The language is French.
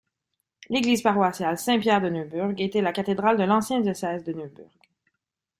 L'église paroissiale Saint-Pierre de Neuburg était la cathédrale de l'ancien diocèse de Neuburg.